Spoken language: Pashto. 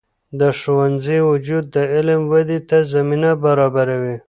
د ښوونځي وجود د علم ودې ته زمینه برابروي.